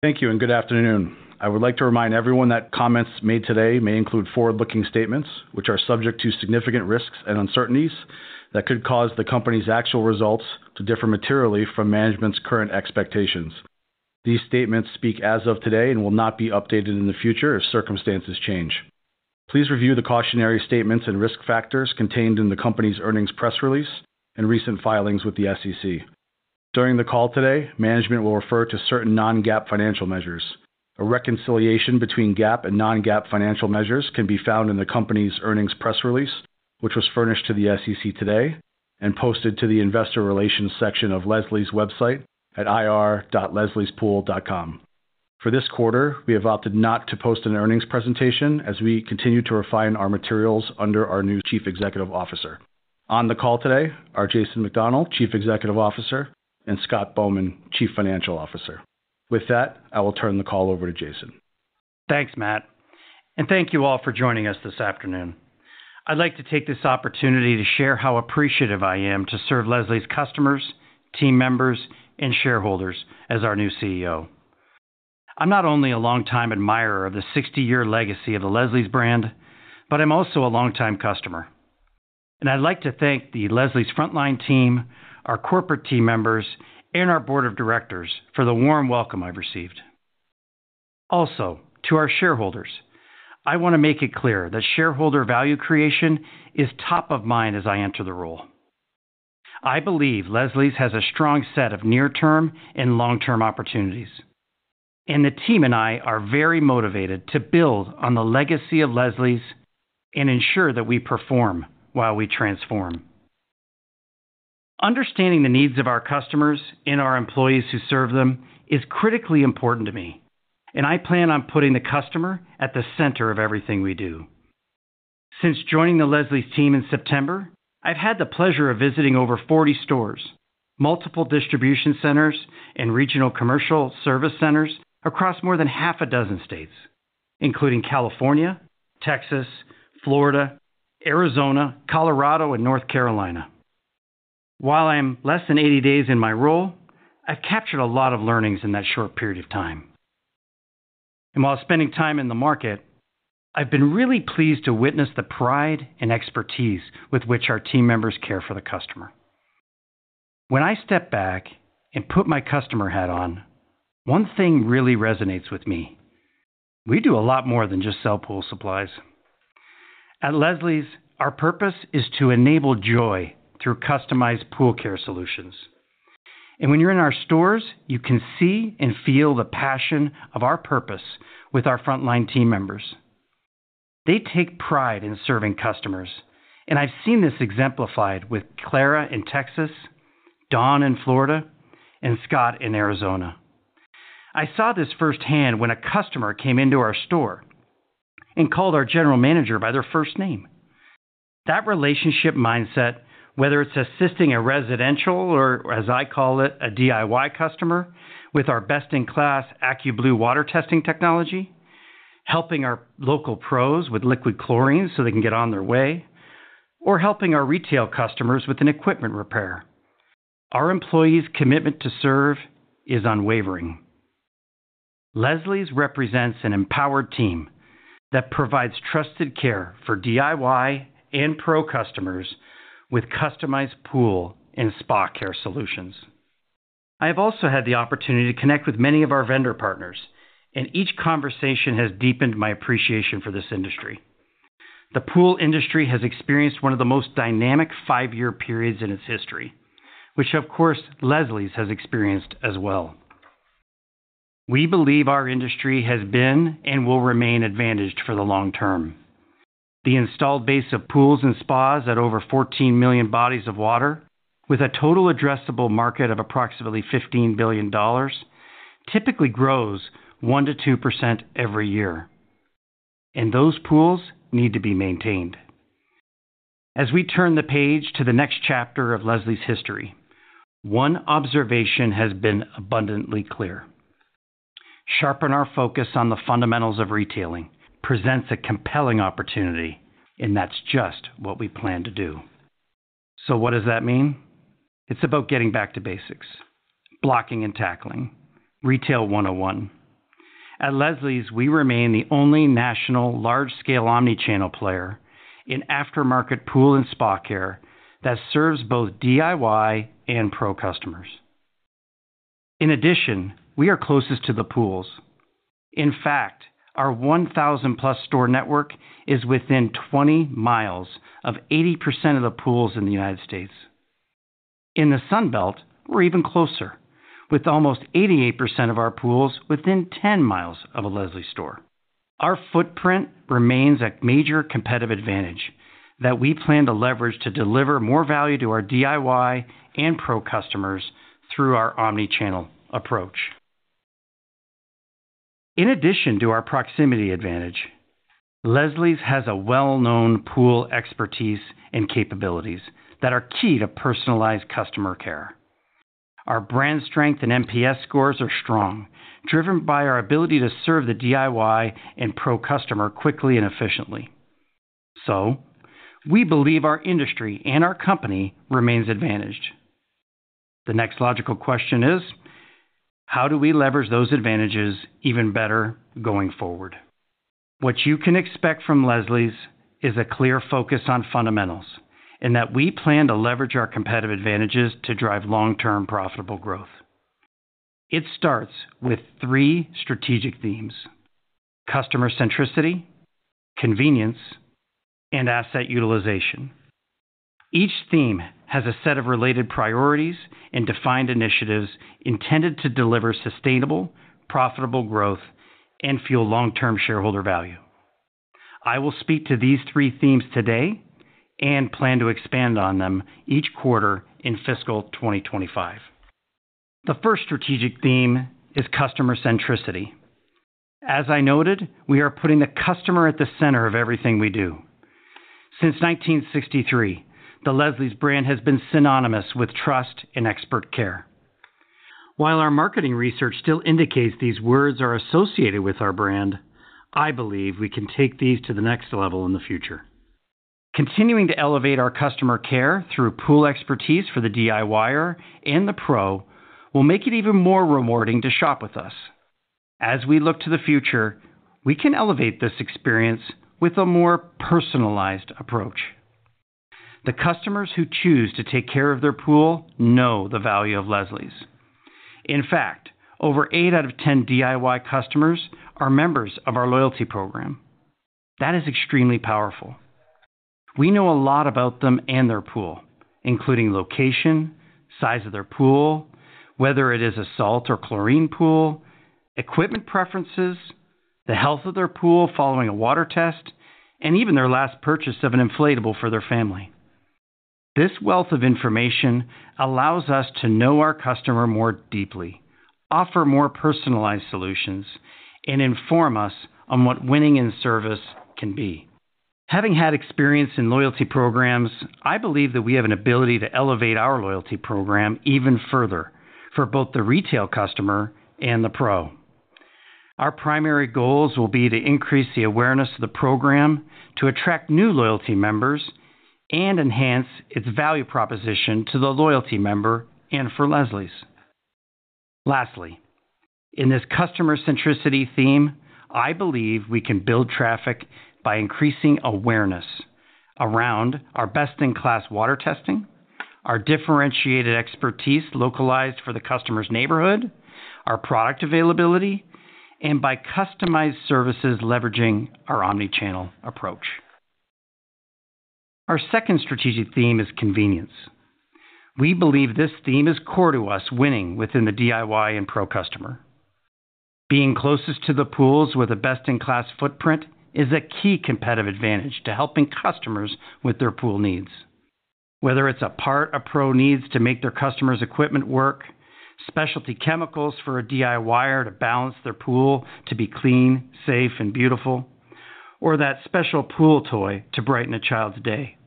Thank you, and good afternoon. I would like to remind everyone that comments made today may include forward-looking statements, which are subject to significant risks and uncertainties that could cause the company's actual results to differ materially from management's current expectations. These statements speak as of today and will not be updated in the future if circumstances change. Please review the cautionary statements and risk factors contained in the company's earnings press release and recent filings with the SEC. During the call today, management will refer to certain non-GAAP financial measures. A reconciliation between GAAP and non-GAAP financial measures can be found in the company's earnings press release, which was furnished to the SEC today and posted to the investor relations section of Leslie's website at ir.lesliespool.com For this quarter, we have opted not to post an earnings presentation as we continue to refine our materials under our new Chief Executive Officer. On the call today are Jason McDonell, Chief Executive Officer, and Scott Bowman, Chief Financial Officer. With that, I will turn the call over to Jason. Thanks, Matt, and thank you all for joining us this afternoon. I'd like to take this opportunity to share how appreciative I am to serve Leslie's customers, team members, and shareholders as our new CEO. I'm not only a longtime admirer of the 60-year legacy of the Leslie's brand, but I'm also a longtime customer. And I'd like to thank the Leslie's frontline team, our corporate team members, and our board of directors for the warm welcome I've received. Also, to our shareholders, I want to make it clear that shareholder value creation is top of mind as I enter the role. I believe Leslie's has a strong set of near-term and long-term opportunities, and the team and I are very motivated to build on the legacy of Leslie's and ensure that we perform while we transform. Understanding the needs of our customers and our employees who serve them is critically important to me, and I plan on putting the customer at the center of everything we do. Since joining the Leslie's team in September, I've had the pleasure of visiting over 40 stores, multiple distribution centers, and regional commercial service centers across more than half a dozen states, including California, Texas, Florida, Arizona, Colorado, and North Carolina. While I'm less than 80 days in my role, I've captured a lot of learnings in that short period of time. While spending time in the market, I've been really pleased to witness the pride and expertise with which our team members care for the customer. When I step back and put my customer hat on, one thing really resonates with me: we do a lot more than just sell pool supplies. At Leslie's, our purpose is to enable joy through customized pool care solutions. And when you're in our stores, you can see and feel the passion of our purpose with our frontline team members. They take pride in serving customers, and I've seen this exemplified with Clara in Texas, Dawn in Florida, and Scott in Arizona. I saw this firsthand when a customer came into our store and called our general manager by their first name. That relationship mindset, whether it's assisting a residential or, as I call it, a DIY customer with our best-in-class AccuBlue water testing technology, helping our local pros with liquid chlorine so they can get on their way, or helping our retail customers with an equipment repair, our employees' commitment to serve is unwavering. Leslie's represents an empowered team that provides trusted care for DIY and pro customers with customized pool and spa care solutions. I have also had the opportunity to connect with many of our vendor partners, and each conversation has deepened my appreciation for this industry. The pool industry has experienced one of the most dynamic five-year periods in its history, which, of course, Leslie's has experienced as well. We believe our industry has been and will remain advantaged for the long term. The installed base of pools and spas at over 14 million bodies of water, with a total addressable market of approximately $15 billion, typically grows 1%-2% every year, and those pools need to be maintained. As we turn the page to the next chapter of Leslie's history, one observation has been abundantly clear: sharpen our focus on the fundamentals of retailing presents a compelling opportunity, and that's just what we plan to do, so what does that mean? It's about getting back to basics, blocking and tackling, retail 101. At Leslie's, we remain the only national large-scale omnichannel player in aftermarket pool and spa care that serves both DIY and pro customers. In addition, we are closest to the pools. In fact, our 1,000-plus store network is within 20 miles of 80% of the pools in the United States. In the Sunbelt, we're even closer, with almost 88% of our pools within 10 miles of a Leslie store. Our footprint remains a major competitive advantage that we plan to leverage to deliver more value to our DIY and pro customers through our omnichannel approach. In addition to our proximity advantage, Leslie's has a well-known pool expertise and capabilities that are key to personalized customer care. Our brand strength and NPS scores are strong, driven by our ability to serve the DIY and pro customer quickly and efficiently. So we believe our industry and our company remain advantaged. The next logical question is: how do we leverage those advantages even better going forward? What you can expect from Leslie's is a clear focus on fundamentals and that we plan to leverage our competitive advantages to drive long-term profitable growth. It starts with three strategic themes: customer centricity, convenience, and asset utilization. Each theme has a set of related priorities and defined initiatives intended to deliver sustainable, profitable growth, and fuel long-term shareholder value. I will speak to these three themes today and plan to expand on them each quarter in fiscal 2025. The first strategic theme is customer centricity. As I noted, we are putting the customer at the center of everything we do. Since 1963, the Leslie's brand has been synonymous with trust and expert care. While our marketing research still indicates these words are associated with our brand, I believe we can take these to the next level in the future. Continuing to elevate our customer care through pool expertise for the DIYer and the pro will make it even more rewarding to shop with us. As we look to the future, we can elevate this experience with a more personalized approach. The customers who choose to take care of their pool know the value of Leslie's. In fact, over eight out of 10 DIY customers are members of our loyalty program. That is extremely powerful. We know a lot about them and their pool, including location, size of their pool, whether it is a salt or chlorine pool, equipment preferences, the health of their pool following a water test, and even their last purchase of an inflatable for their family. This wealth of information allows us to know our customer more deeply, offer more personalized solutions, and inform us on what winning in service can be. Having had experience in loyalty programs, I believe that we have an ability to elevate our loyalty program even further for both the retail customer and the pro. Our primary goals will be to increase the awareness of the program, to attract new loyalty members, and enhance its value proposition to the loyalty member and for Leslie's. Lastly, in this customer centricity theme, I believe we can build traffic by increasing awareness around our best-in-class water testing, our differentiated expertise localized for the customer's neighborhood, our product availability, and by customized services leveraging our omnichannel approach. Our second strategic theme is convenience. We believe this theme is core to us winning within the DIY and pro customer. Being closest to the pools with a best-in-class footprint is a key competitive advantage to helping customers with their pool needs. Whether it's a part a pro needs to make their customer's equipment work, specialty chemicals for a DIYer to balance their pool to be clean, safe, and beautiful, or that special pool toy to brighten a child's day,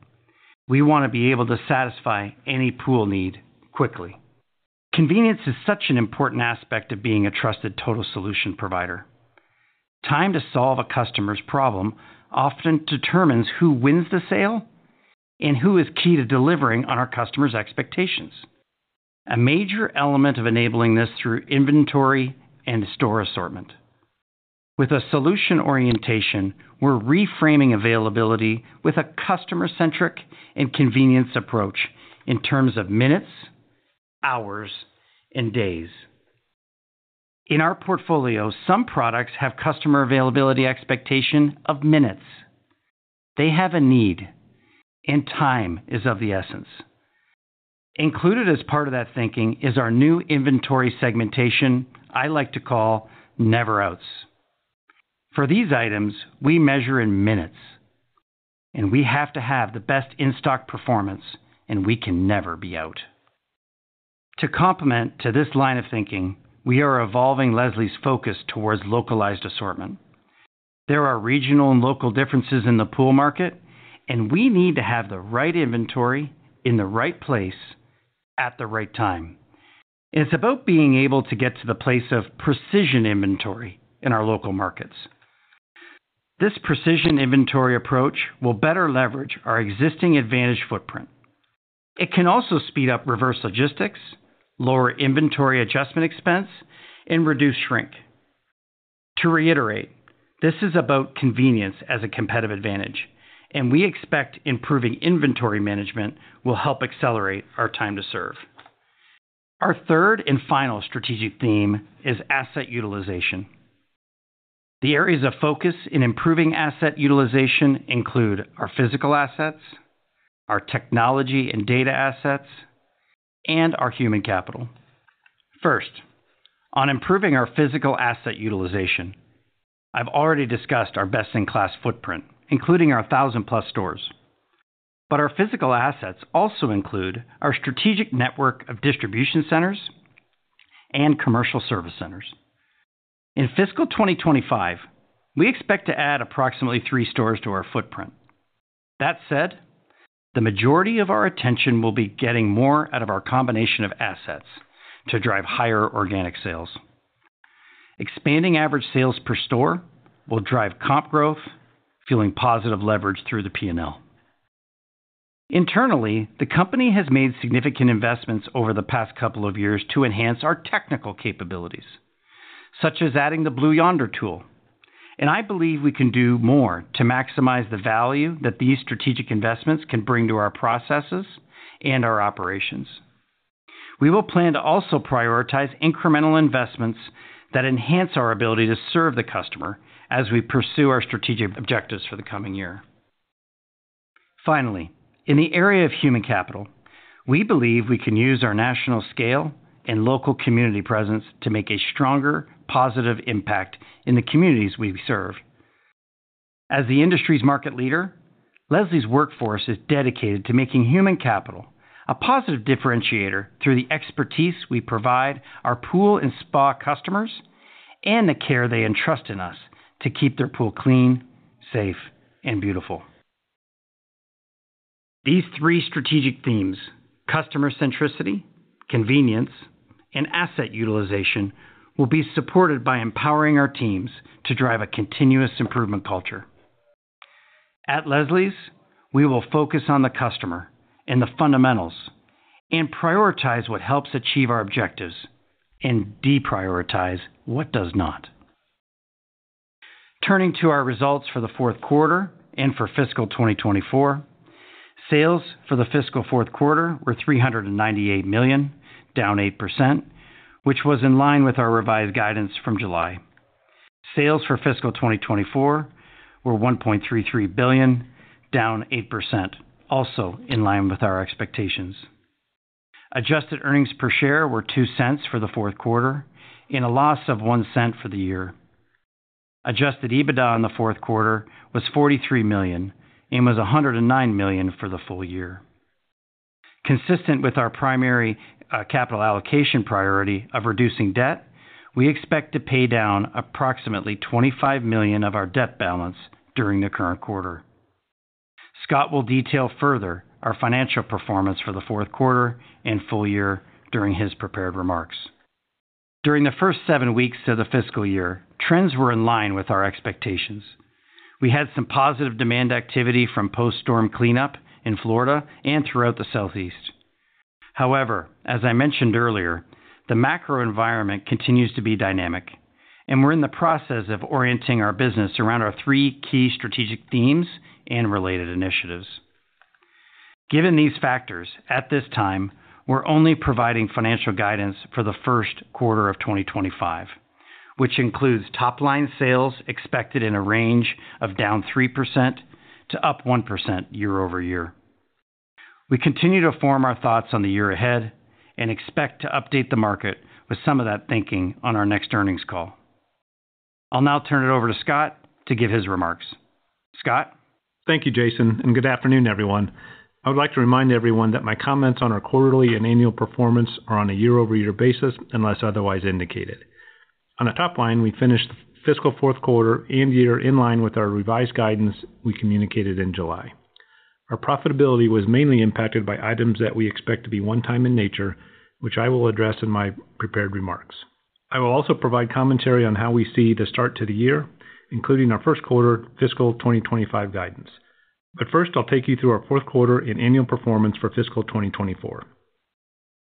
we want to be able to satisfy any pool need quickly. Convenience is such an important aspect of being a trusted total solution provider. Time to solve a customer's problem often determines who wins the sale and who is key to delivering on our customer's expectations. A major element of enabling this is through inventory and store assortment. With a solution orientation, we're reframing availability with a customer-centric and convenience approach in terms of minutes, hours, and days. In our portfolio, some products have customer availability expectations of minutes. They have a need, and time is of the essence. Included as part of that thinking is our new inventory segmentation I like to call never-outs. For these items, we measure in minutes, and we have to have the best in-stock performance, and we can never be out. To complement this line of thinking, we are evolving Leslie's focus towards localized assortment. There are regional and local differences in the pool market, and we need to have the right inventory in the right place at the right time. It's about being able to get to the place of precision inventory in our local markets. This precision inventory approach will better leverage our existing advantaged footprint. It can also speed up reverse logistics, lower inventory adjustment expense, and reduce shrink. To reiterate, this is about convenience as a competitive advantage, and we expect improving inventory management will help accelerate our time to serve. Our third and final strategic theme is asset utilization. The areas of focus in improving asset utilization include our physical assets, our technology and data assets, and our human capital. First, on improving our physical asset utilization, I've already discussed our best-in-class footprint, including our 1,000-plus stores. But our physical assets also include our strategic network of distribution centers and commercial service centers. In fiscal 2025, we expect to add approximately three stores to our footprint. That said, the majority of our attention will be getting more out of our combination of assets to drive higher organic sales. Expanding average sales per store will drive comp growth, fueling positive leverage through the P&L. Internally, the company has made significant investments over the past couple of years to enhance our technical capabilities, such as adding the Blue Yonder tool, and I believe we can do more to maximize the value that these strategic investments can bring to our processes and our operations. We will plan to also prioritize incremental investments that enhance our ability to serve the customer as we pursue our strategic objectives for the coming year. Finally, in the area of human capital, we believe we can use our national scale and local community presence to make a stronger positive impact in the communities we serve. As the industry's market leader, Leslie's workforce is dedicated to making human capital a positive differentiator through the expertise we provide our pool and spa customers and the care they entrust in us to keep their pool clean, safe, and beautiful. These three strategic themes, customer centricity, convenience, and asset utilization, will be supported by empowering our teams to drive a continuous improvement culture. At Leslie's, we will focus on the customer and the fundamentals and prioritize what helps achieve our objectives and deprioritize what does not. Turning to our results for the Q4 and for fiscal 2024, sales for the fiscal Q4 were $398 million, down 8%, which was in line with our revised guidance from July. Sales for fiscal 2024 were $1.33 billion, down 8%, also in line with our expectations. Adjusted earnings per share were $0.02 for the Q4 and a loss of $0.01 for the year. Adjusted EBITDA on the Q4 was $43 million and was $109 million for the full year. Consistent with our primary capital allocation priority of reducing debt, we expect to pay down approximately $25 million of our debt balance during the current quarter. Scott will detail further our financial performance for the Q4 and full year during his prepared remarks. During the first seven weeks of the fiscal year, trends were in line with our expectations. We had some positive demand activity from post-storm cleanup in Florida and throughout the Southeast. However, as I mentioned earlier, the macro environment continues to be dynamic, and we're in the process of orienting our business around our three key strategic themes and related initiatives. Given these factors, at this time, we're only providing financial guidance for the Q1 of 2025, which includes top-line sales expected in a range of down 3% to up 1% year over year. We continue to form our thoughts on the year ahead and expect to update the market with some of that thinking on our next earnings call. I'll now turn it over to Scott to give his remarks. Scott? Thank you, Jason, and good afternoon, everyone. I would like to remind everyone that my comments on our quarterly and annual performance are on a year-over-year basis unless otherwise indicated. On a top line, we finished the fiscal Q4 and year in line with our revised guidance we communicated in July. Our profitability was mainly impacted by items that we expect to be one-time in nature, which I will address in my prepared remarks. I will also provide commentary on how we see the start to the year, including our Q1 fiscal 2025 guidance, but first, I'll take you through our Q4 and annual performance for fiscal 2024.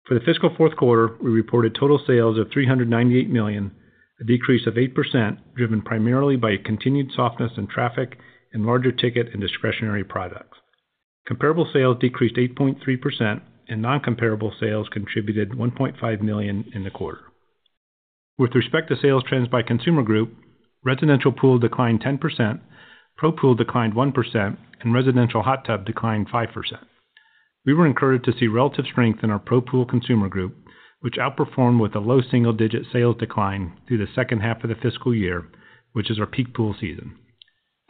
For the fiscal Q4, we reported total sales of $398 million, a decrease of 8% driven primarily by continued softness in traffic and larger ticket and discretionary products. Comparable sales decreased 8.3%, and non-comparable sales contributed $1.5 million in the quarter. With respect to sales trends by consumer group, residential pool declined 10%, pro pool declined 1%, and residential hot tub declined 5%. We were encouraged to see relative strength in our pro pool consumer group, which outperformed with a low single-digit sales decline through the second half of the fiscal year, which is our peak pool season.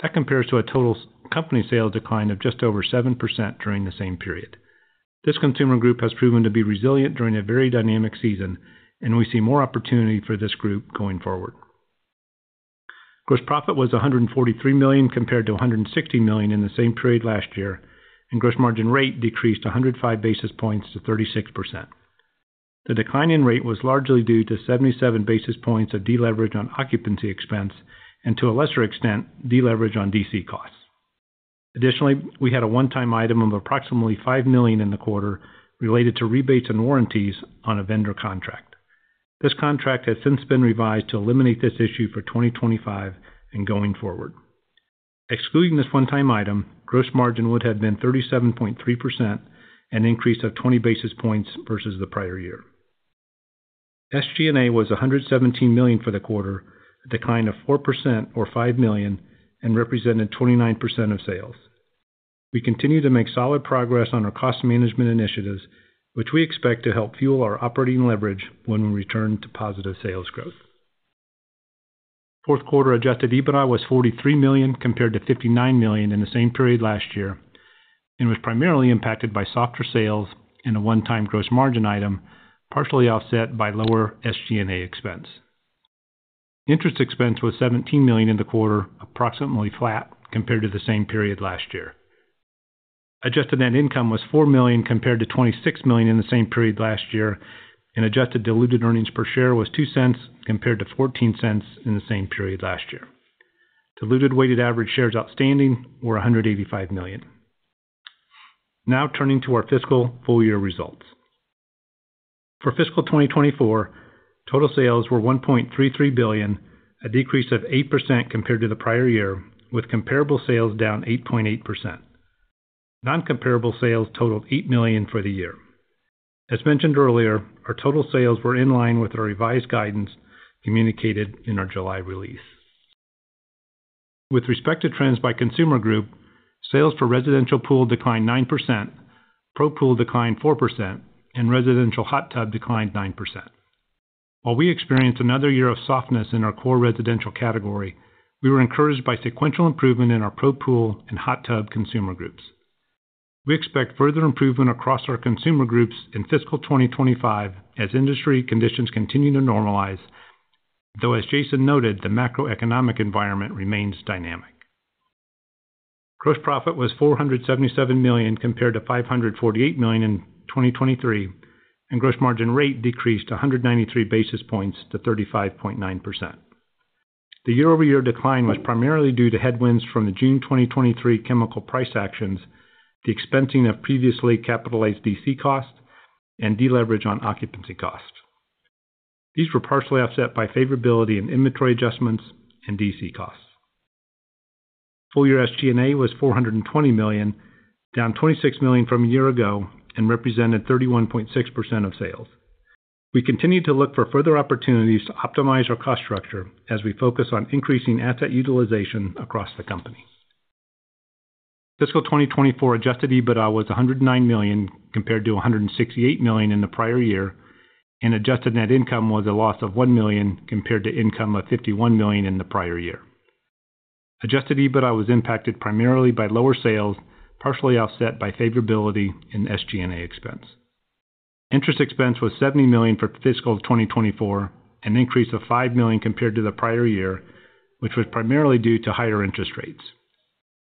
That compares to a total company sales decline of just over 7% during the same period. This consumer group has proven to be resilient during a very dynamic season, and we see more opportunity for this group going forward. Gross profit was $143 million compared to $160 million in the same period last year, and gross margin rate decreased 105 basis points to 36%. The decline in rate was largely due to 77 basis points of deleverage on occupancy expense and, to a lesser extent, deleverage on DC costs. Additionally, we had a one-time item of approximately $5 million in the quarter related to rebates and warranties on a vendor contract. This contract has since been revised to eliminate this issue for 2025 and going forward. Excluding this one-time item, gross margin would have been 37.3%, an increase of 20 basis points versus the prior year. SG&A was $117 million for the quarter, a decline of 4% or $5 million, and represented 29% of sales. We continue to make solid progress on our cost management initiatives, which we expect to help fuel our operating leverage when we return to positive sales growth. Q4 adjusted EBITDA was $43 million compared to $59 million in the same period last year and was primarily impacted by softer sales and a one-time gross margin item, partially offset by lower SG&A expense. Interest expense was $17 million in the quarter, approximately flat compared to the same period last year. Adjusted net income was $4 million compared to $26 million in the same period last year, and adjusted diluted earnings per share was $0.02 compared to $0.14 in the same period last year. Diluted weighted average shares outstanding were 185 million. Now turning to our fiscal full-year results. For fiscal 2024, total sales were $1.33 billion, a decrease of 8% compared to the prior year, with comparable sales down 8.8%. Non-comparable sales totaled $8 million for the year. As mentioned earlier, our total sales were in line with our revised guidance communicated in our July release. With respect to trends by consumer group, sales for residential pool declined 9%, pro pool declined 4%, and residential hot tub declined 9%. While we experienced another year of softness in our core residential category, we were encouraged by sequential improvement in our pro pool and hot tub consumer groups. We expect further improvement across our consumer groups in fiscal 2025 as industry conditions continue to normalize, though, as Jason noted, the macroeconomic environment remains dynamic. Gross profit was $477 million compared to $548 million in 2023, and gross margin rate decreased 193 basis points to 35.9%. The year-over-year decline was primarily due to headwinds from the June 2023 chemical price actions, the expensing of previously capitalized DC costs, and deleverage on occupancy costs. These were partially offset by favorability and inventory adjustments and DC costs. Full-year SG&A was $420 million, down $26 million from a year ago, and represented 31.6% of sales. We continue to look for further opportunities to optimize our cost structure as we focus on increasing asset utilization across the company. Fiscal 2024 adjusted EBITDA was $109 million compared to $168 million in the prior year, and adjusted net income was a loss of $1 million compared to income of $51 million in the prior year. Adjusted EBITDA was impacted primarily by lower sales, partially offset by favorability and SG&A expense. Interest expense was $70 million for fiscal 2024, an increase of $5 million compared to the prior year, which was primarily due to higher interest rates.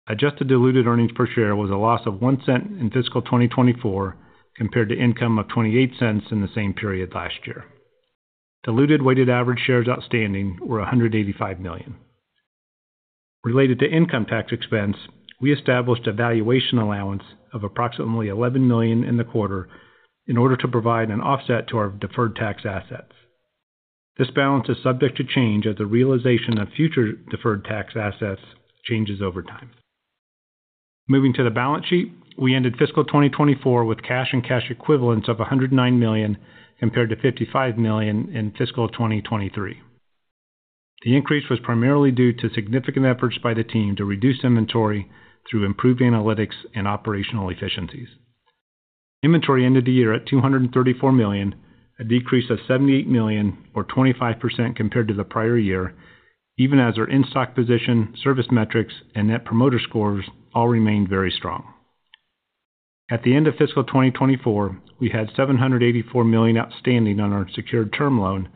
Adjusted diluted earnings per share was a loss of $0.01 in fiscal 2024 compared to income of $0.28 in the same period last year. Diluted weighted average shares outstanding were 185 million. Related to income tax expense, we established a valuation allowance of approximately $11 million in the quarter in order to provide an offset to our deferred tax assets. This balance is subject to change as the realization of future deferred tax assets changes over time. Moving to the balance sheet, we ended fiscal 2024 with cash and cash equivalents of $109 million compared to $55 million in fiscal 2023. The increase was primarily due to significant efforts by the team to reduce inventory through improved analytics and operational efficiencies. Inventory ended the year at $234 million, a decrease of $78 million, or 25% compared to the prior year, even as our in-stock position, service metrics, and net promoter scores all remained very strong. At the end of fiscal 2024, we had $784 million outstanding on our secured term loan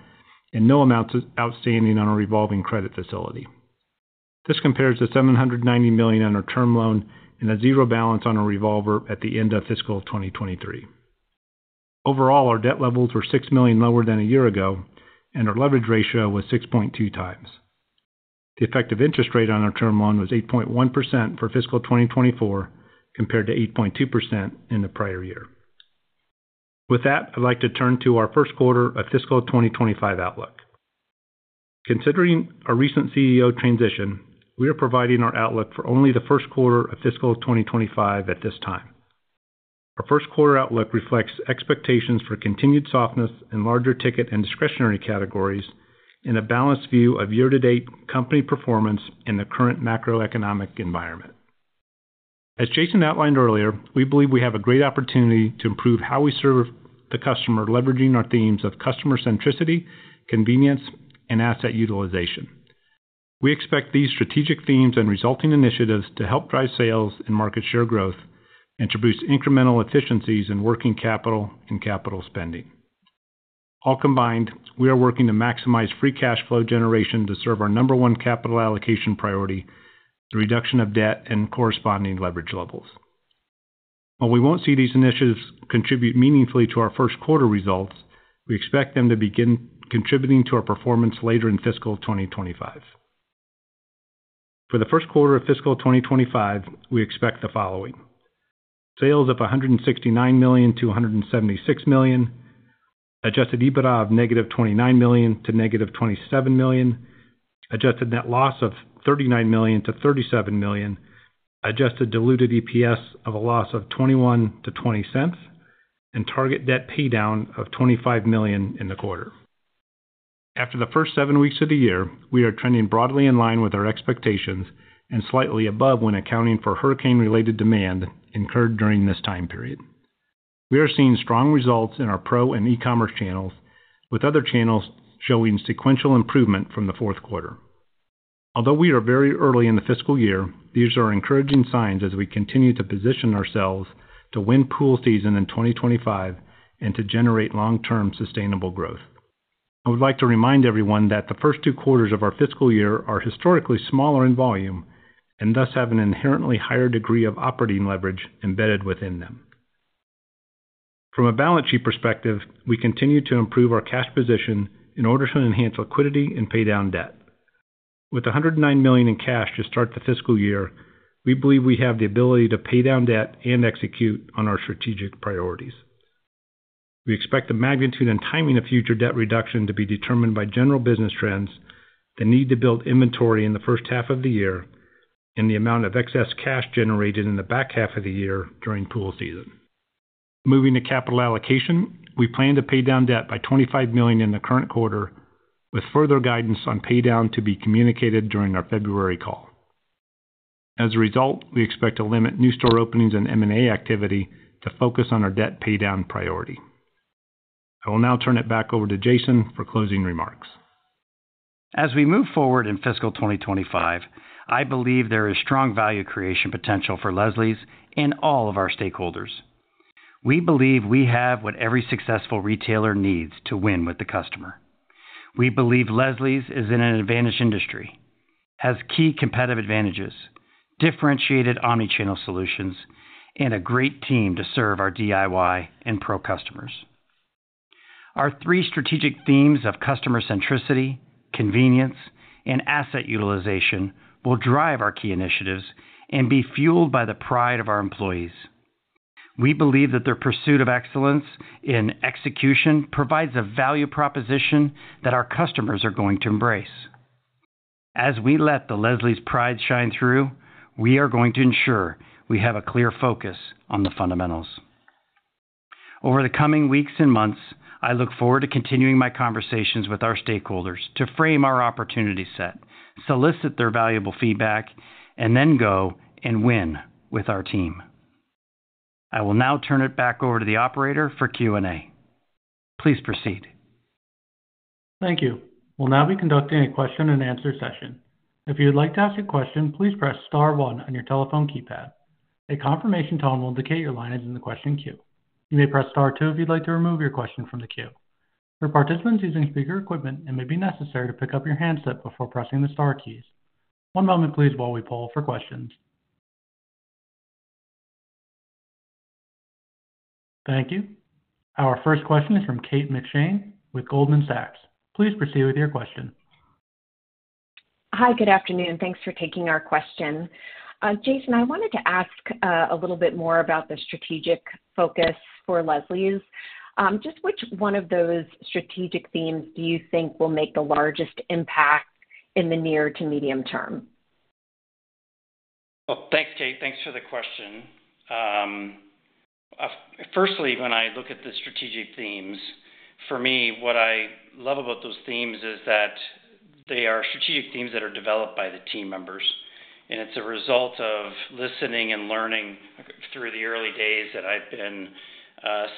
and no amounts outstanding on our revolving credit facility. This compares to $790 million on our term loan and a zero balance on our revolver at the end of fiscal 2023. Overall, our debt levels were $6 million lower than a year ago, and our leverage ratio was 6.2 times. The effective interest rate on our term loan was 8.1% for fiscal 2024 compared to 8.2% in the prior year. With that, I'd like to turn to our Q1 of fiscal 2025 outlook. Considering our recent CEO transition, we are providing our outlook for only the Q1 of fiscal 2025 at this time. Our Q1 outlook reflects expectations for continued softness in larger ticket and discretionary categories and a balanced view of year-to-date company performance in the current macroeconomic environment. As Jason outlined earlier, we believe we have a great opportunity to improve how we serve the customer, leveraging our themes of customer centricity, convenience, and asset utilization. We expect these strategic themes and resulting initiatives to help drive sales and market share growth and to boost incremental efficiencies in working capital and capital spending. All combined, we are working to maximize free cash flow generation to serve our number one capital allocation priority, the reduction of debt and corresponding leverage levels. While we won't see these initiatives contribute meaningfully to our Q1 results, we expect them to begin contributing to our performance later in fiscal 2025. For the Q1 of fiscal 2025, we expect the following: sales of $169 million to $176 million, adjusted EBITDA of negative $29 million to negative $27 million, adjusted net loss of $39 million to $37 million, adjusted diluted EPS of a loss of $0.21 to $0.20, and target debt pay down of $25 million in the quarter. After the first seven weeks of the year, we are trending broadly in line with our expectations and slightly above when accounting for hurricane-related demand incurred during this time period. We are seeing strong results in our Pro and e-commerce channels, with other channels showing sequential improvement from the Q4. Although we are very early in the fiscal year, these are encouraging signs as we continue to position ourselves to win pool season in 2025 and to generate long-term sustainable growth. I would like to remind everyone that the first two quarters of our fiscal year are historically smaller in volume and thus have an inherently higher degree of operating leverage embedded within them. From a balance sheet perspective, we continue to improve our cash position in order to enhance liquidity and pay down debt. With $109 million in cash to start the fiscal year, we believe we have the ability to pay down debt and execute on our strategic priorities. We expect the magnitude and timing of future debt reduction to be determined by general business trends, the need to build inventory in the first half of the year, and the amount of excess cash generated in the back half of the year during pool season. Moving to capital allocation, we plan to pay down debt by $25 million in the current quarter, with further guidance on pay down to be communicated during our February call. As a result, we expect to limit new store openings and M&A activity to focus on our debt pay down priority. I will now turn it back over to Jason for closing remarks. As we move forward in fiscal 2025, I believe there is strong value creation potential for Leslie's and all of our stakeholders. We believe we have what every successful retailer needs to win with the customer. We believe Leslie's is in an advantaged industry, has key competitive advantages, differentiated omnichannel solutions, and a great team to serve our DIY and pro customers. Our three strategic themes of customer centricity, convenience, and asset utilization will drive our key initiatives and be fueled by the pride of our employees. We believe that their pursuit of excellence in execution provides a value proposition that our customers are going to embrace. As we let the Leslie's pride shine through, we are going to ensure we have a clear focus on the fundamentals. Over the coming weeks and months, I look forward to continuing my conversations with our stakeholders to frame our opportunity set, solicit their valuable feedback, and then go and win with our team. I will now turn it back over to the operator for Q&A. Please proceed. Thank you. We'll now be conducting a question-and-answer session. If you'd like to ask a question, please press Star 1 on your telephone keypad. A confirmation tone will indicate your line is in the question queue. You may press Star 2 if you'd like to remove your question from the queue. For participants using speaker equipment, it may be necessary to pick up your handset before pressing the Star keys. One moment, please, while we poll for questions. Thank you. Our first question is from Kate McShane with Goldman Sachs. Please proceed with your question. Hi, good afternoon. Thanks for taking our question. Jason, I wanted to ask a little bit more about the strategic focus for Leslie's. Just which one of those strategic themes do you think will make the largest impact in the near to medium term? Well, thanks, Kate. Thanks for the question. Firstly, when I look at the strategic themes, for me, what I love about those themes is that they are strategic themes that are developed by the team members, and it's a result of listening and learning through the early days that I've been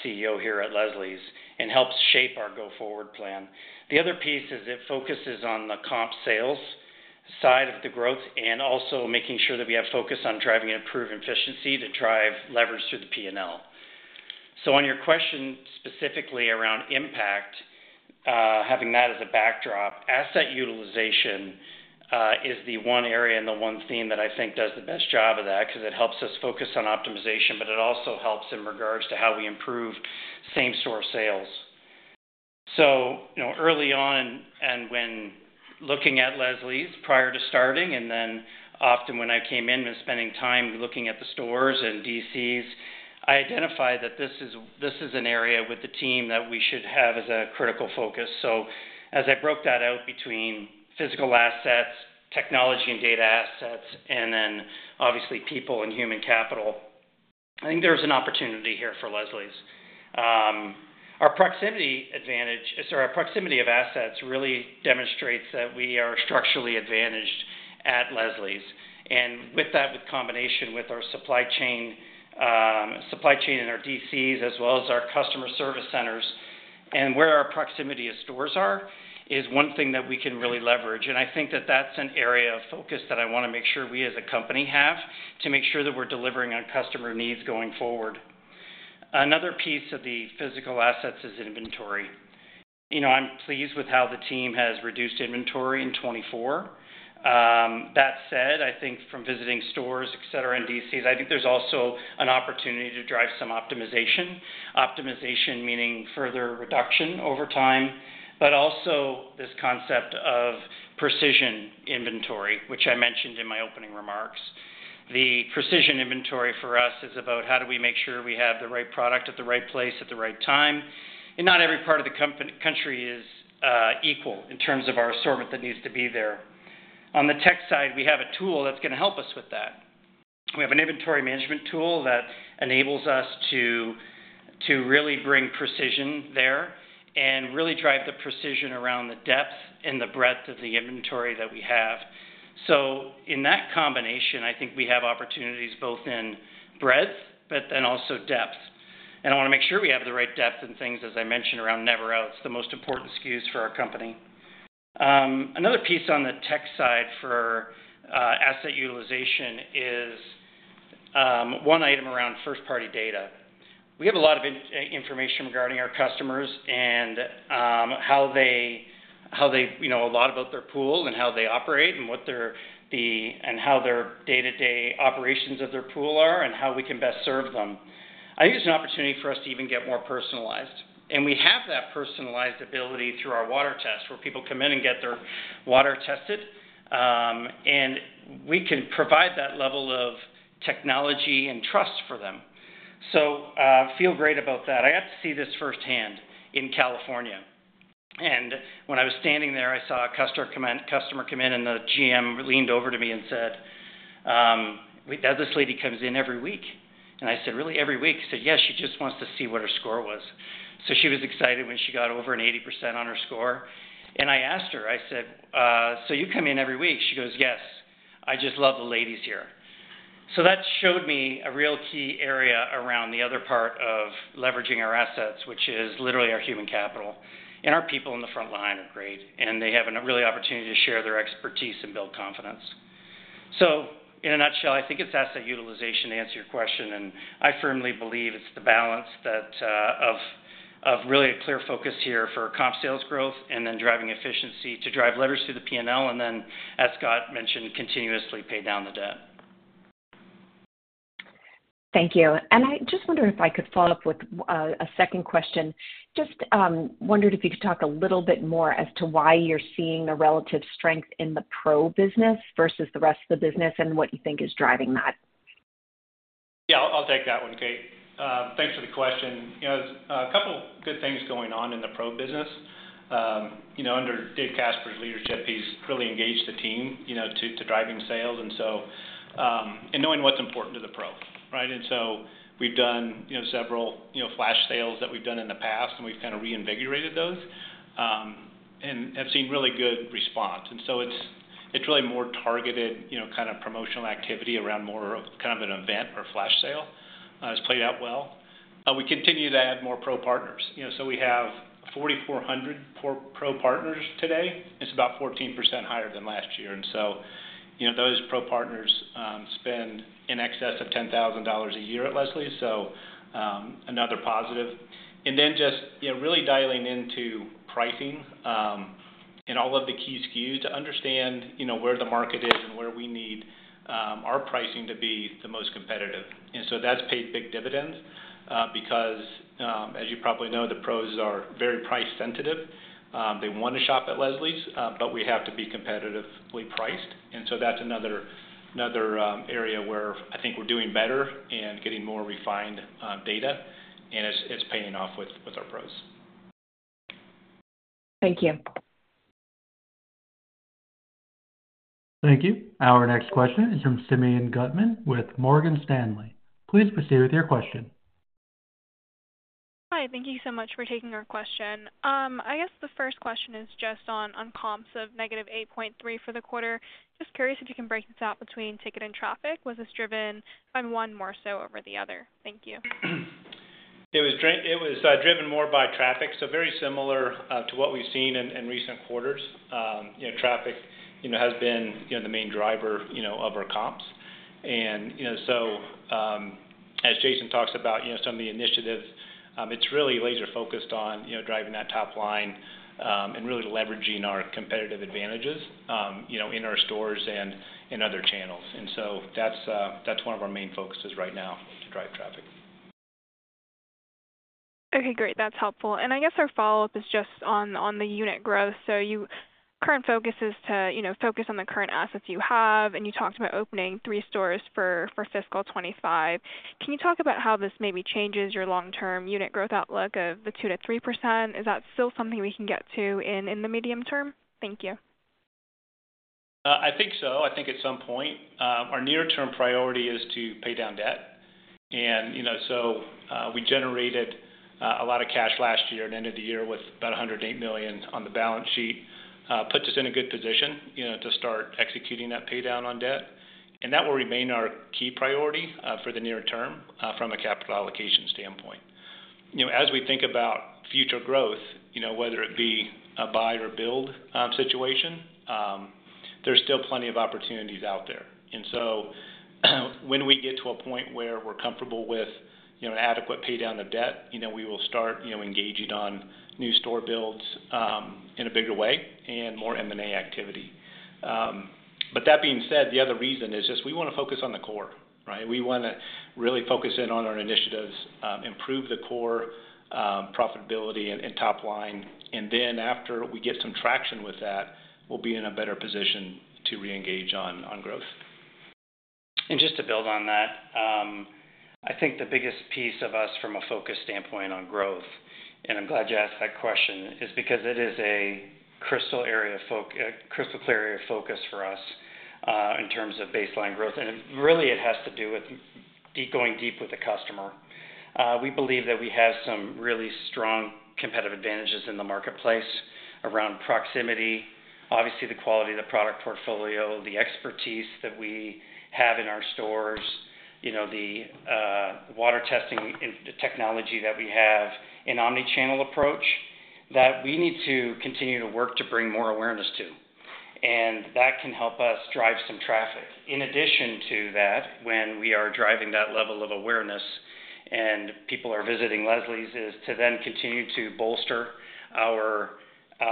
CEO here at Leslie's and helps shape our go-forward plan. The other piece is it focuses on the comp sales side of the growth and also making sure that we have focus on driving improved efficiency to drive leverage through the P&L. So on your question specifically around impact, having that as a backdrop, asset utilization is the one area and the one theme that I think does the best job of that because it helps us focus on optimization, but it also helps in regards to how we improve same-store sales. So early on and when looking at Leslie's prior to starting, and then often when I came in and was spending time looking at the stores and DCs, I identified that this is an area with the team that we should have as a critical focus. So as I broke that out between physical assets, technology and data assets, and then obviously people and human capital, I think there's an opportunity here for Leslie's. Our proximity advantage or our proximity of assets really demonstrates that we are structurally advantaged at Leslie's. And with that, with combination with our supply chain and our DCs as well as our customer service centers and where our proximity of stores are, is one thing that we can really leverage. And I think that that's an area of focus that I want to make sure we as a company have to make sure that we're delivering on customer needs going forward. Another piece of the physical assets is inventory. I'm pleased with how the team has reduced inventory in 2024. That said, I think from visiting stores, etc., and DCs, I think there's also an opportunity to drive some optimization. Optimization meaning further reduction over time, but also this concept of precision inventory, which I mentioned in my opening remarks. The precision inventory for us is about how do we make sure we have the right product at the right place at the right time. And not every part of the country is equal in terms of our assortment that needs to be there. On the tech side, we have a tool that's going to help us with that. We have an inventory management tool that enables us to really bring precision there and really drive the precision around the depth and the breadth of the inventory that we have. So in that combination, I think we have opportunities both in breadth, but then also depth. And I want to make sure we have the right depth and things, as I mentioned, around never out. It's the most important SKUs for our company. Another piece on the tech side for asset utilization is one item around first-party data. We have a lot of information regarding our customers and how they know a lot about their pool and how they operate and what their day-to-day operations of their pool are and how we can best serve them. I think it's an opportunity for us to even get more personalized, and we have that personalized ability through our water tests where people come in and get their water tested, and we can provide that level of technology and trust for them, so I feel great about that. I got to see this firsthand in California, and when I was standing there, I saw a customer come in, and the GM leaned over to me and said, "This lady comes in every week," and I said, "Really? Every week? She said, "Yes. She just wants to see what her score was." So she was excited when she got over an 80% on her score. And I asked her, I said, "So you come in every week?" She goes, "Yes. I just love the ladies here." So that showed me a real key area around the other part of leveraging our assets, which is literally our human capital. And our people in the front line are great, and they have a really good opportunity to share their expertise and build confidence. So in a nutshell, I think it's asset utilization to answer your question, and I firmly believe it's the balance of really a clear focus here for comp sales growth and then driving efficiency to drive leverage through the P&L and then, as Scott mentioned, continuously pay down the debt Thank you. And I just wonder if I could follow up with a second question. Just wondered if you could talk a little bit more as to why you're seeing the relative strength in the pro business versus the rest of the business and what you think is driving that. Yeah, I'll take that one, Kate. Thanks for the question. A couple of good things going on in the pro business. Under Dave Casper's leadership, he's really engaged the team to drive sales, and knowing what's important to the pro, right? And so we've done several flash sales that we've done in the past, and we've kind of reinvigorated those and have seen really good response. And so it's really more targeted kind of promotional activity around more of kind of an event or flash sale has played out well. We continue to add more pro partners. We have 4,400 pro partners today. It's about 14% higher than last year. And so those pro partners spend in excess of $10,000 a year at Leslie's, so another positive. And then just really dialing into pricing and all of the key SKUs to understand where the market is and where we need our pricing to be the most competitive. And so that's paid big dividends because, as you probably know, the pros are very price-sensitive. They want to shop at Leslie's, but we have to be competitively priced. And so that's another area where I think we're doing better and getting more refined data, and it's paying off with our pros. Thank you. Thank you. Our next question is from Simeon Gutman with Morgan Stanley. Please proceed with your question. Hi. Thank you so much for taking our question. I guess the first question is just on comps of negative 8.3% for the quarter. Just curious if you can break this out between ticket and traffic. Was this driven by one more so over the other? Thank you. It was driven more by traffic, so very similar to what we've seen in recent quarters. Traffic has been the main driver of our comps. As Jason talks about some of the initiatives, it's really laser-focused on driving that top line and really leveraging our competitive advantages in our stores and in other channels. That's one of our main focuses right now to drive traffic. Okay. Great. That's helpful. Our follow-up is just on the unit growth. Your current focus is to focus on the current assets you have, and you talked about opening three stores for fiscal 2025. Can you talk about how this maybe changes your long-term unit growth outlook of the 2%-3%? Is that still something we can get to in the medium term? Thank you. I think so. I think at some point, our near-term priority is to pay down debt. And so we generated a lot of cash last year at the end of the year with about $108 million on the balance sheet, put us in a good position to start executing that pay down on debt. And that will remain our key priority for the near term from a capital allocation standpoint. As we think about future growth, whether it be a buy or build situation, there's still plenty of opportunities out there. And so when we get to a point where we're comfortable with an adequate pay down of debt, we will start engaging on new store builds in a bigger way and more M&A activity. But that being said, the other reason is just we want to focus on the core, right? We want to really focus in on our initiatives, improve the core profitability and top line. And then after we get some traction with that, we'll be in a better position to reengage on growth. And just to build on that, I think the biggest piece of us from a focus standpoint on growth, and I'm glad you asked that question, is because it is a crystal clear area of focus for us in terms of baseline growth. And really, it has to do with going deep with the customer. We believe that we have some really strong competitive advantages in the marketplace around proximity, obviously the quality of the product portfolio, the expertise that we have in our stores, the water testing technology that we have, an omnichannel approach that we need to continue to work to bring more awareness to, and that can help us drive some traffic. In addition to that, when we are driving that level of awareness and people are visiting Leslie's, is to then continue to bolster our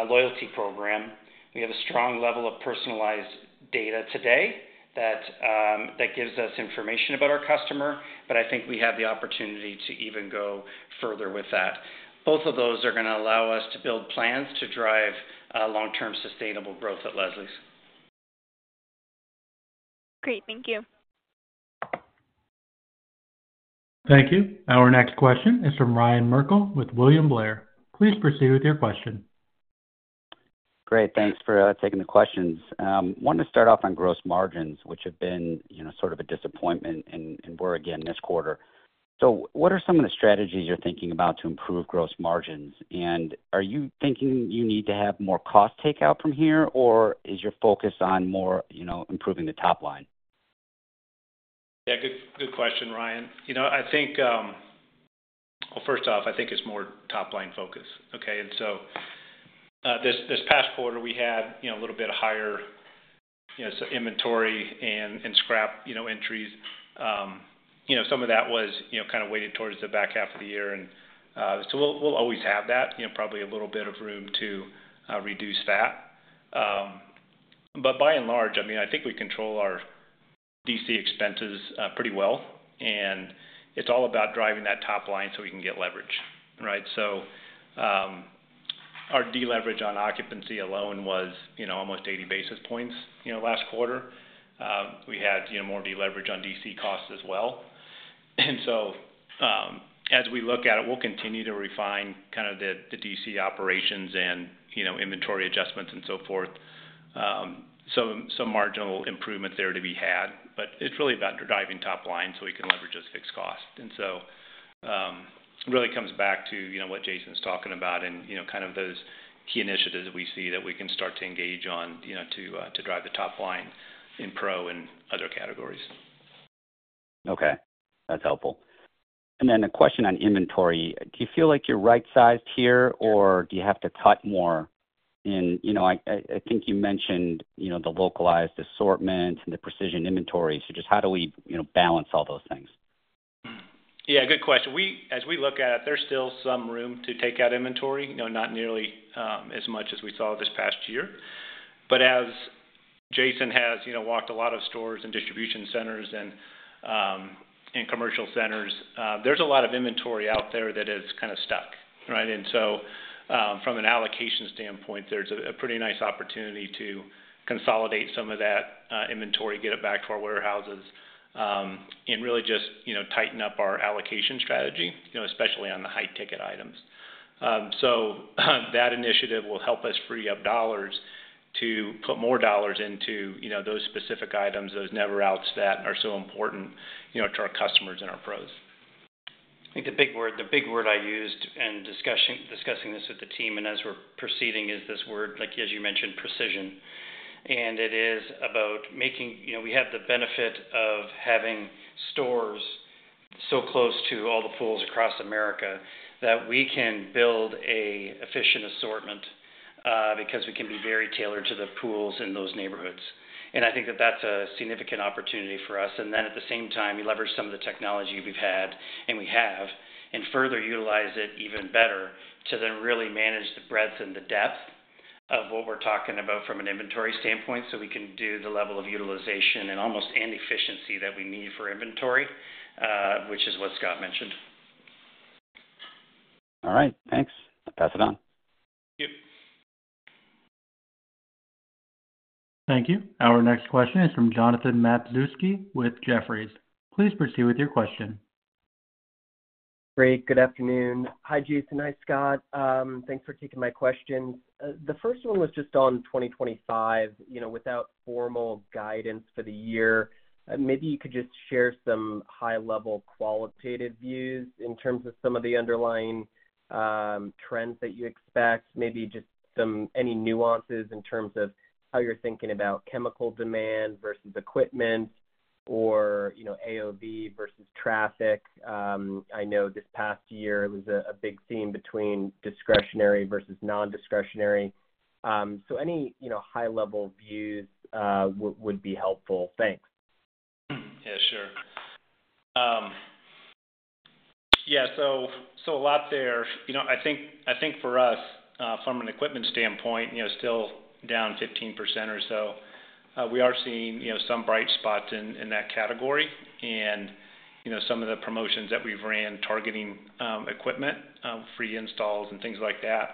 loyalty program. We have a strong level of personalized data today that gives us information about our customer, but I think we have the opportunity to even go further with that. Both of those are going to allow us to build plans to drive long-term sustainable growth at Leslie's. Great. Thank you. Thank you. Our next question is from Ryan Merkel with William Blair. Please proceed with your question. Great. Thanks for taking the questions. I wanted to start off on gross margins, which have been sort of a disappointment and were, again, this quarter. So what are some of the strategies you're thinking about to improve gross margins? And are you thinking you need to have more cost takeout from here, or is your focus on more improving the top line? Yeah, good question, Ryan. I think, well, first off, I think it's more top-line focus. Okay. And so this past quarter, we had a little bit higher inventory and shrink entries. Some of that was kind of weighted towards the back half of the year. And so we'll always have that, probably a little bit of room to reduce that. But by and large, I mean, I think we control our DC expenses pretty well. It's all about driving that top line so we can get leverage, right? So our deleverage on occupancy alone was almost 80 basis points last quarter. We had more deleverage on DC costs as well. And so as we look at it, we'll continue to refine kind of the DC operations and inventory adjustments and so forth. So some marginal improvement there to be had, but it's really about driving top line so we can leverage those fixed costs. And so it really comes back to what Jason's talking about and kind of those key initiatives that we see that we can start to engage on to drive the top line in Pro and other categories. Okay. That's helpful. And then a question on inventory. Do you feel like you're right-sized here, or do you have to cut more? I think you mentioned the localized assortment and the precision inventory. So just how do we balance all those things? Yeah, good question. As we look at it, there's still some room to take out inventory, not nearly as much as we saw this past year. But as Jason has walked a lot of stores and distribution centers and commercial centers, there's a lot of inventory out there that is kind of stuck, right? And so from an allocation standpoint, there's a pretty nice opportunity to consolidate some of that inventory, get it back to our warehouses, and really just tighten up our allocation strategy, especially on the high-ticket items. So that initiative will help us free up dollars to put more dollars into those specific items, those never outs that are so important to our customers and our pros. I think the big word I used in discussing this with the team and as we're proceeding is this word, as you mentioned, precision. And it is about making we have the benefit of having stores so close to all the pools across America that we can build an efficient assortment because we can be very tailored to the pools in those neighborhoods. And I think that that's a significant opportunity for us. And then at the same time, we leverage some of the technology we've had and we have and further utilize it even better to then really manage the breadth and the depth of what we're talking about from an inventory standpoint so we can do the level of utilization and almost an efficiency that we need for inventory, which is what Scott mentioned. All right. Thanks. I'll pass it on. Thank you. Thank you. Our next question is from Jonathan Matuszewski with Jefferies. Please proceed with your question. Great. Good afternoon. Hi, Jason. Hi, Scott. Thanks for taking my questions. The first one was just on 2025 without formal guidance for the year. Maybe you could just share some high-level qualitative views in terms of some of the underlying trends that you expect, maybe just any nuances in terms of how you're thinking about chemical demand versus equipment or AOV versus traffic. I know this past year, it was a big theme between discretionary versus non-discretionary. So any high-level views would be helpful. Thanks. Yeah, sure. Yeah. So a lot there. I think for us, from an equipment standpoint, still down 15% or so, we are seeing some bright spots in that category. And some of the promotions that we've ran targeting equipment, free installs, and things like that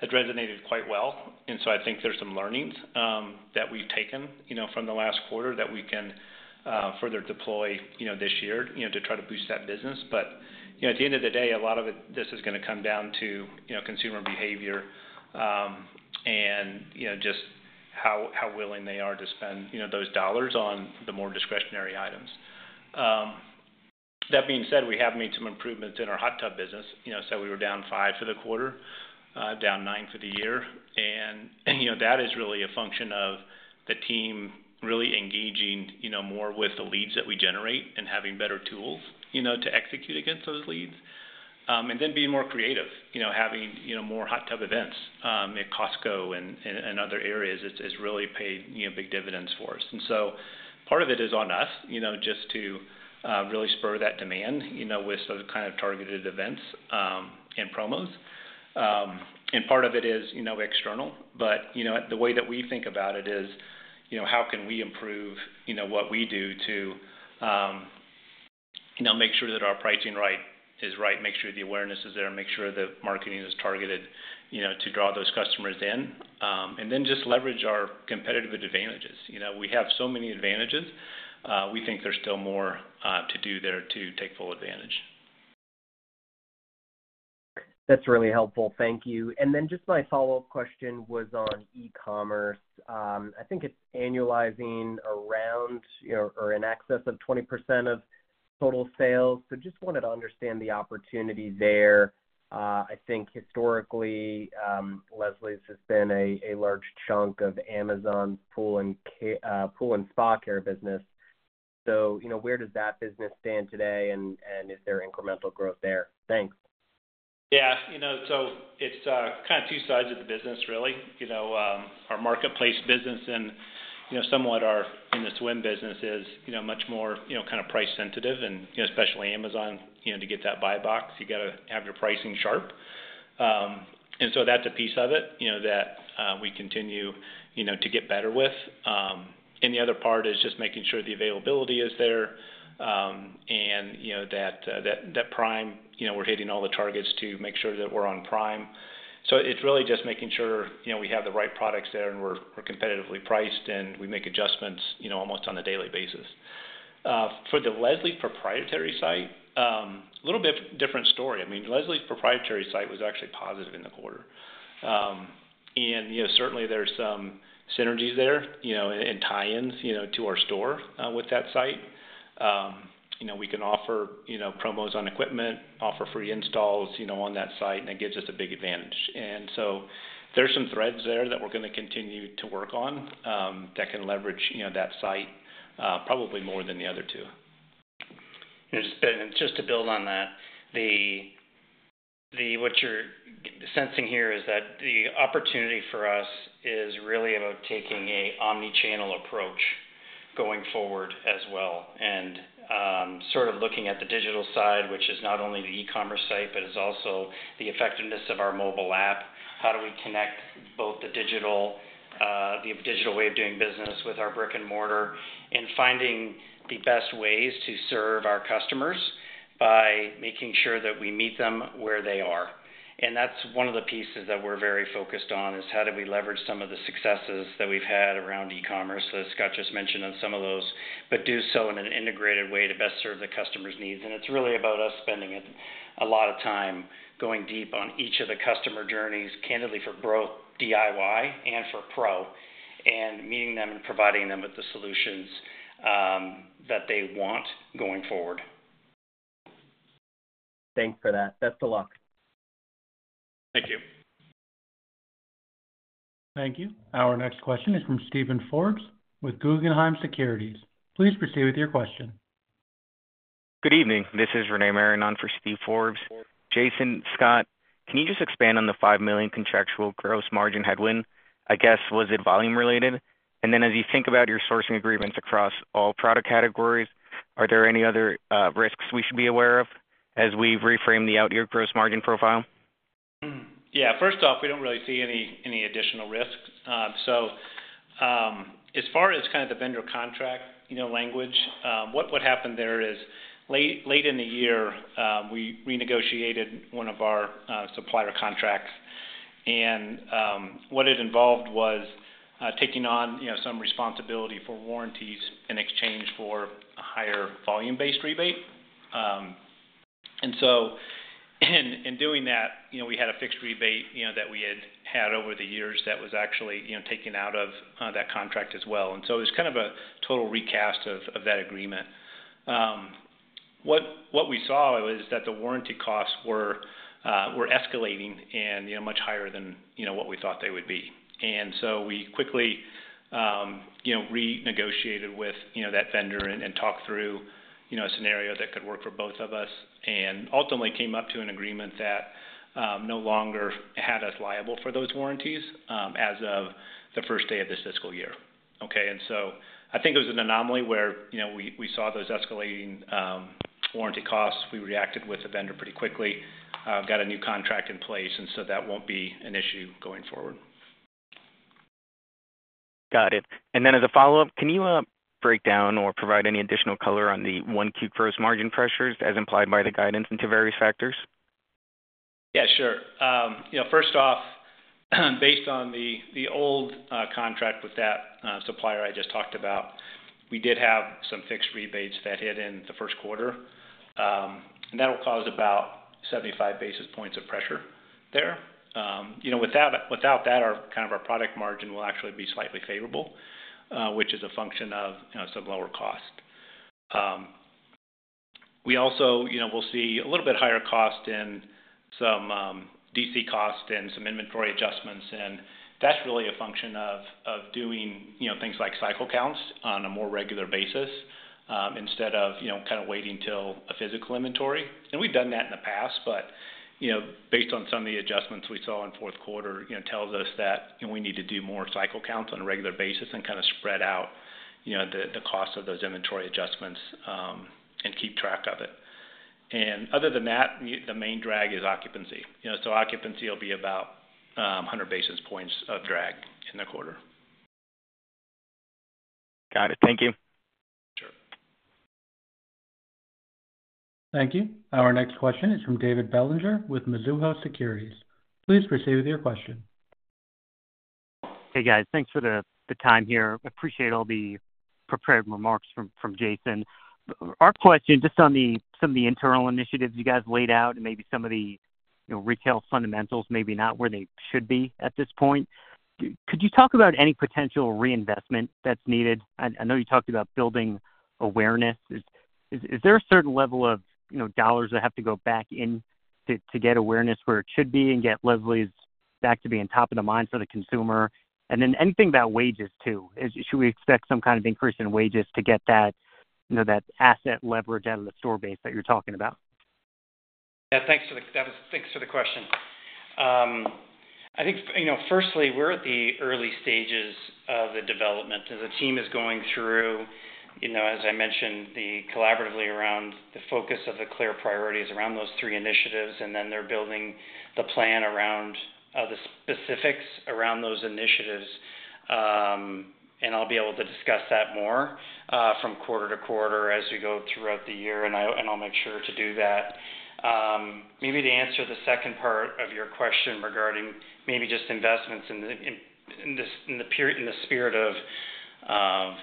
have resonated quite well. And so I think there's some learnings that we've taken from the last quarter that we can further deploy this year to try to boost that business. But at the end of the day, a lot of this is going to come down to consumer behavior and just how willing they are to spend those dollars on the more discretionary items. That being said, we have made some improvements in our hot tub business. So we were down 5% for the quarter, down 9% for the year. And that is really a function of the team really engaging more with the leads that we generate and having better tools to execute against those leads. And then being more creative, having more hot tub events at Costco and other areas has really paid big dividends for us. And so part of it is on us just to really spur that demand with those kind of targeted events and promos. And part of it is external. But the way that we think about it is, how can we improve what we do to make sure that our pricing is right, make sure the awareness is there, make sure the marketing is targeted to draw those customers in, and then just leverage our competitive advantages. We have so many advantages. We think there's still more to do there to take full advantage. That's really helpful. Thank you. And then just my follow-up question was on e-commerce. I think it's annualizing around or in excess of 20% of total sales. So just wanted to understand the opportunity there. I think historically, Leslie's has been a large chunk of Amazon's pool and spa care business. So where does that business stand today, and is there incremental growth there? Thanks. Yeah. So it's kind of two sides of the business, really. Our marketplace business and somewhat our in-house business is much more kind of price-sensitive, and especially Amazon, to get that buy box, you got to have your pricing sharp. And so that's a piece of it that we continue to get better with. And the other part is just making sure the availability is there and that Prime. We're hitting all the targets to make sure that we're on Prime. So it's really just making sure we have the right products there and we're competitively priced, and we make adjustments almost on a daily basis. For the Leslie's proprietary site, a little bit different story. I mean, Leslie's proprietary site was actually positive in the quarter. And certainly, there's some synergies there and tie-ins to our store with that site. We can offer promos on equipment, offer free installs on that site, and it gives us a big advantage. And so there's some threads there that we're going to continue to work on that can leverage that site probably more than the other two. And just to build on that, what you're sensing here is that the opportunity for us is really about taking an omnichannel approach going forward as well and sort of looking at the digital side, which is not only the e-commerce site, but it's also the effectiveness of our mobile app. How do we connect both the digital way of doing business with our brick and mortar and finding the best ways to serve our customers by making sure that we meet them where they are? And that's one of the pieces that we're very focused on is how do we leverage some of the successes that we've had around e-commerce? So Scott just mentioned on some of those, but do so in an integrated way to best serve the customer's needs. And it's really about us spending a lot of time going deep on each of the customer journeys, candidly for growth, DIY, and for pro, and meeting them and providing them with the solutions that they want going forward. Thanks for that. Best of luck. Thank you. Thank you. Our next question is from Steven Forbes with Guggenheim Securities. Please proceed with your question. Good evening. This is Rene Marin for Steve Forbes. Jason, Scott, can you just expand on the $5 million contractual gross margin headwind? I guess, was it volume-related? And then as you think about your sourcing agreements across all product categories, are there any other risks we should be aware of as we reframe the out-year gross margin profile? Yeah. First off, we don't really see any additional risks. So as far as kind of the vendor contract language, what happened there is late in the year, we renegotiated one of our supplier contracts. And what it involved was taking on some responsibility for warranties in exchange for a higher volume-based rebate. And so in doing that, we had a fixed rebate that we had had over the years that was actually taken out of that contract as well. And so it was kind of a total recast of that agreement. What we saw was that the warranty costs were escalating and much higher than what we thought they would be. And so we quickly renegotiated with that vendor and talked through a scenario that could work for both of us and ultimately came up to an agreement that no longer had us liable for those warranties as of the first day of this fiscal year. Okay. And so I think it was an anomaly where we saw those escalating warranty costs. We reacted with the vendor pretty quickly, got a new contract in place, and so that won't be an issue going forward. Got it. And then as a follow-up, can you break down or provide any additional color on the Q1 gross margin pressures as implied by the guidance into various factors? Yeah, sure. First off, based on the old contract with that supplier I just talked about, we did have some fixed rebates that hit in the Q1. And that will cause about 75 basis points of pressure there. Without that, kind of our product margin will actually be slightly favorable, which is a function of some lower cost. We also will see a little bit higher cost in some DC costs and some inventory adjustments. And that's really a function of doing things like cycle counts on a more regular basis instead of kind of waiting till a physical inventory. And we've done that in the past, but based on some of the adjustments we saw in Q4, it tells us that we need to do more cycle counts on a regular basis and kind of spread out the cost of those inventory adjustments and keep track of it. And other than that, the main drag is occupancy. So occupancy will be about 100 basis points of drag in the quarter. Got it. Thank you. Sure. Thank you. Our next question is from David Bellinger with Mizuho Securities. Please proceed with your question. Hey, guys. Thanks for the time here. Appreciate all the prepared remarks from Jason. Our question just on some of the internal initiatives you guys laid out and maybe some of the retail fundamentals maybe not where they should be at this point. Could you talk about any potential reinvestment that's needed? I know you talked about building awareness. Is there a certain level of dollars that have to go back in to get awareness where it should be and get Leslie's back to being top of the mind for the consumer? And then anything about wages too. Should we expect some kind of increase in wages to get that asset leverage out of the store base that you're talking about? Yeah. Thanks for the question. I think, firstly, we're at the early stages of the development. The team is going through, as I mentioned, them collaboratively around the focus of the clear priorities around those three initiatives, and then they're building the plan around the specifics around those initiatives, and I'll be able to discuss that more from quarter to quarter as we go throughout the year, and I'll make sure to do that. Maybe to answer the second part of your question regarding maybe just investments in the spirit of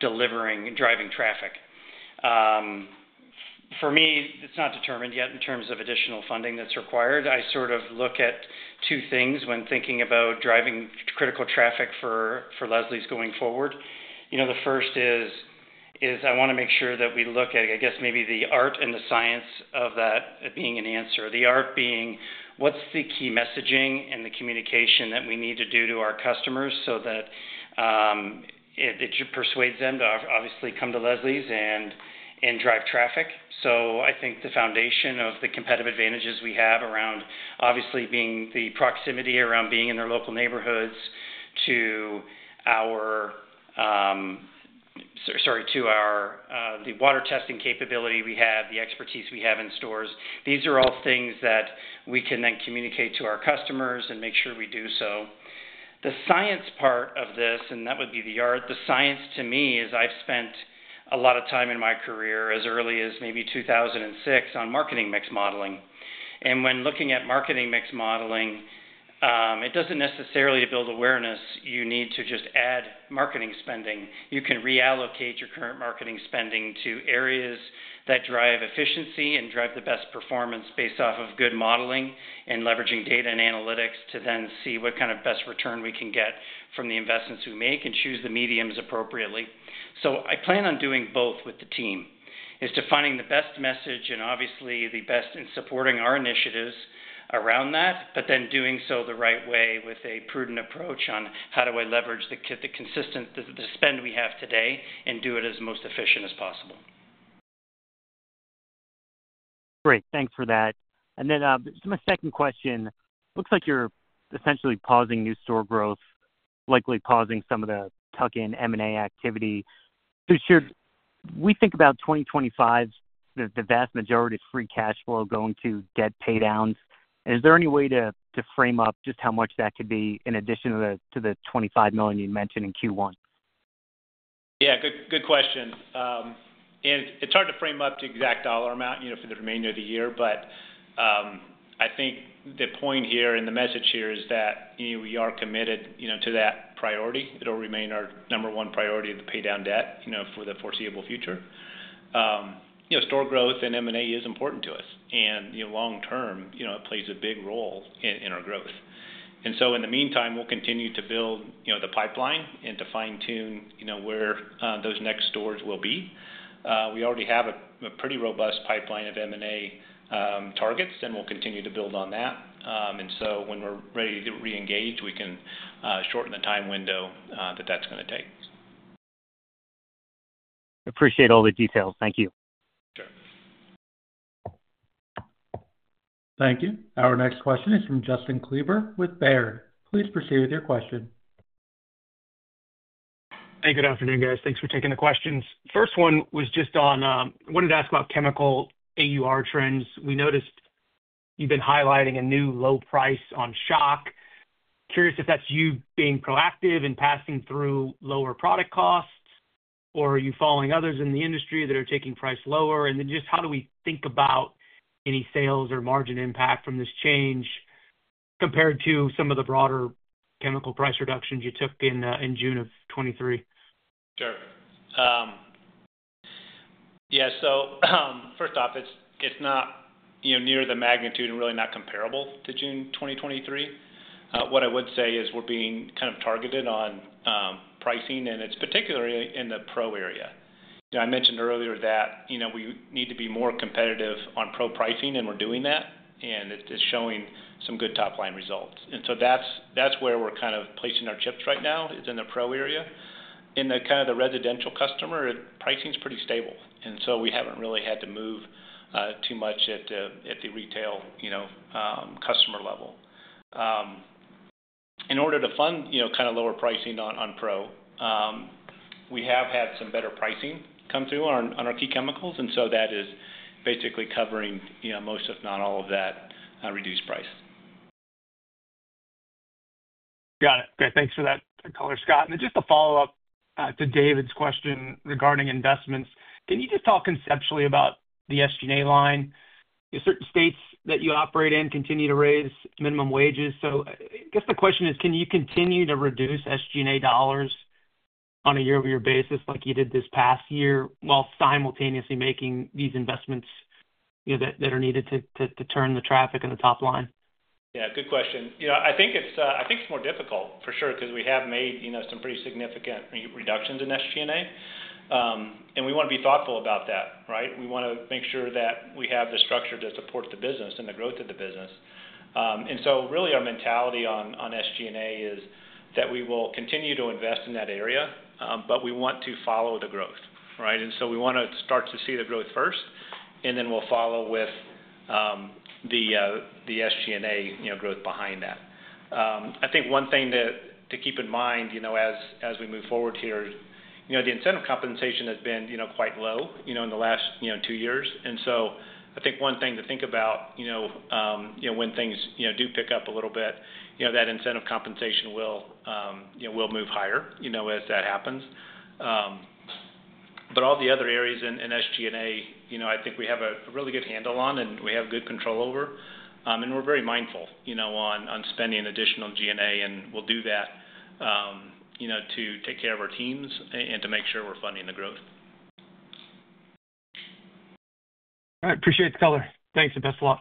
delivering and driving traffic. For me, it's not determined yet in terms of additional funding that's required. I sort of look at two things when thinking about driving critical traffic for Leslie's going forward. The first is I want to make sure that we look at, I guess, maybe the art and the science of that being an answer. The art being what's the key messaging and the communication that we need to do to our customers so that it persuades them to obviously come to Leslie's and drive traffic. So I think the foundation of the competitive advantages we have around obviously being the proximity around being in their local neighborhoods to our, sorry, to the water testing capability we have, the expertise we have in stores. These are all things that we can then communicate to our customers and make sure we do so. The science part of this, and that would be the art, the science to me is I've spent a lot of time in my career as early as maybe 2006 on marketing mix modeling. And when looking at marketing mix modeling, it doesn't necessarily build awareness. You need to just add marketing spending. You can reallocate your current marketing spending to areas that drive efficiency and drive the best performance based off of good modeling and leveraging data and analytics to then see what kind of best return we can get from the investments we make and choose the mediums appropriately. So I plan on doing both with the team, is to find the best message and obviously the best in supporting our initiatives around that, but then doing so the right way with a prudent approach on how do I leverage the spend we have today and do it as most efficient as possible. Great. Thanks for that. And then my second question, looks like you're essentially pausing new store growth, likely pausing some of the tuck-in M&A activity. When we think about 2025, the vast majority of free cash flow going to debt paydowns. Is there any way to frame up just how much that could be in addition to the $25 million you mentioned in Q1? Yeah. Good question. And it's hard to frame up the exact dollar amount for the remainder of the year, but I think the point here and the message here is that we are committed to that priority. It'll remain our number one priority of the paydown debt for the foreseeable future. Store growth and M&A is important to us. And long term, it plays a big role in our growth. And so in the meantime, we'll continue to build the pipeline and to fine-tune where those next stores will be. We already have a pretty robust pipeline of M&A targets, and we'll continue to build on that. And so when we're ready to reengage, we can shorten the time window that that's going to take. Appreciate all the details. Thank you. Sure. Thank you. Our next question is from Justin Kleber with Baird. Please proceed with your question. Hey, good afternoon, guys. Thanks for taking the questions. First one was just on wanted to ask about chemical AUR trends. We noticed you've been highlighting a new low price on shock. Curious if that's you being proactive and passing through lower product costs, or are you following others in the industry that are taking price lower? And then just how do we think about any sales or margin impact from this change compared to some of the broader chemical price reductions you took in June of '23? Sure. Yeah. So first off, it's not near the magnitude and really not comparable to June 2023. What I would say is we're being kind of targeted on pricing, and it's particularly in the pro area. I mentioned earlier that we need to be more competitive on pro pricing, and we're doing that. And it's showing some good top-line results. And so that's where we're kind of placing our chips right now is in the pro area. In the kind of the residential customer, pricing is pretty stable. And so we haven't really had to move too much at the retail customer level. In order to fund kind of lower pricing on pro, we have had some better pricing come through on our key chemicals. And so that is basically covering most, if not all, of that reduced price . Got it. Okay. Thanks for that color, Scott. And just to follow up to David's question regarding investments, can you just talk conceptually about the SG&A line? Certain states that you operate in continue to raise minimum wages. So I guess the question is, can you continue to reduce SG&A dollars on a yearly basis like you did this past year while simultaneously making these investments that are needed to turn the traffic and the top line? Yeah. Good question. I think it's more difficult, for sure, because we have made some pretty significant reductions in SG&A. And we want to be thoughtful about that, right? We want to make sure that we have the structure to support the business and the growth of the business. And so really, our mentality on SG&A is that we will continue to invest in that area, but we want to follow the growth, right? And so we want to start to see the growth first, and then we'll follow with the SG&A growth behind that. I think one thing to keep in mind as we move forward here, the incentive compensation has been quite low in the last two years. And so I think one thing to think about when things do pick up a little bit, that incentive compensation will move higher as that happens. But all the other areas in SG&A, I think we have a really good handle on and we have good control over. And we're very mindful on spending additional G&A, and we'll do that to take care of our teams and to make sure we're funding the growth. All right. Appreciate the color. Thanks for the best.